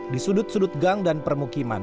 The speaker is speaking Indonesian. di sudut sudut gang dan permukiman